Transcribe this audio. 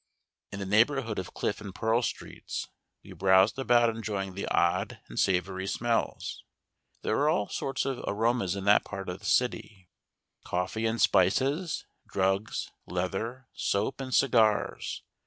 In the neighbourhood of Cliff and Pearl streets we browsed about enjoying the odd and savoury smells. There are all sorts of aromas in that part of the city, coffee and spices, drugs, leather, soap, and cigars.